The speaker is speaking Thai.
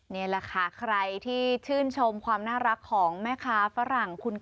นี่แหละค่ะใครที่ชื่นชมความน่ารักของแม่ค้าฝรั่ง